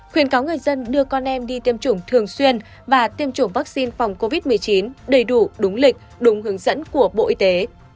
khuyên cáo người dân đưa con em đi tiêm chủng thường xuyên và tiêm chủng vaccine phòng covid một mươi chín đầy đủ đúng lịch đúng hướng dẫn của bộ y tế